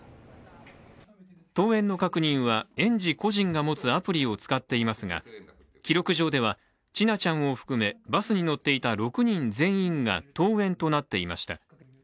登園の確認は園児個人が持つアプリを使っていますが記録上では千奈ちゃんを含め、バスに乗っていた６人全員が登園となっていました。